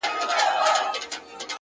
هوډ د وېرې پر وړاندې درېدنه ده’